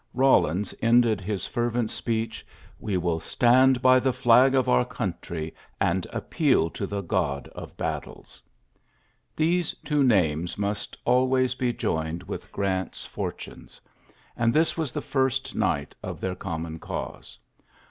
Eawlins endec fervent speech, "We will stand b^ flag of our country, and appeal U Gk)d of battles." These two n must always be joined with Grant's unes ; and this was the first nigli their common cause.